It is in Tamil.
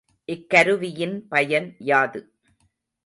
இக்கருவியின் பயன் யாது?